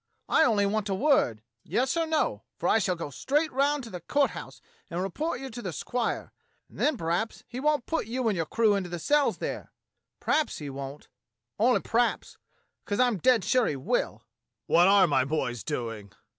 I only want a word, Yes or No, for I shall go straight round to the Court House and report you to the squire. And then p'raps he won't put you and your crew into the cells there; p'raps he won't — only pWaps, 'cos I'm dead sure he will." "What are my boys doing?"